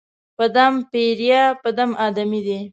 په دم پېریه، په دم آدمې دي